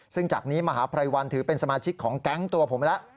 ซึ่งจากนี้มหาภัยวันถือเป็นสมาชิกของแก๊งตัวผมแล้ว